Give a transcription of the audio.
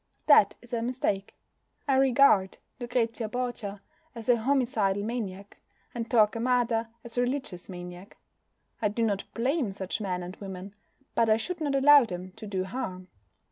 That is a mistake. I regard Lucrezia Borgia as a homicidal maniac, and Torquemada as a religious maniac. I do not blame such men and women. But I should not allow them to do harm.